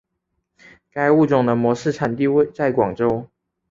该物种的模式产地在广州。